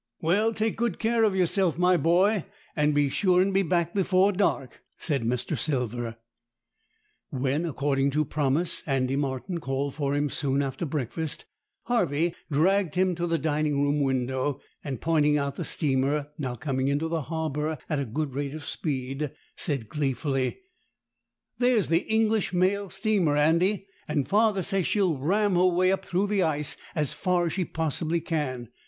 "Well, take good care of yourself, my boy, and be sure and be back before dark," said Mr. Silver. When, according to promise, Andy Martin called for him soon after breakfast, Harvey dragged him to the dining room window, and pointing out the steamer, now coming into the harbour at a good rate of speed, said gleefully,— "There's the English mail steamer, Andy, and father says she'll ram her way up through the ice as far as she possibly can.